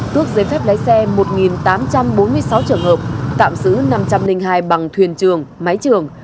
tước giấy phép lái xe một tám trăm bốn mươi sáu trường hợp tạm giữ năm trăm linh hai bằng thuyền trường máy trường